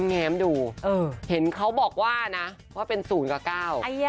แงมดูเห็นเค้าบอกว่าเป็น๐กับ๙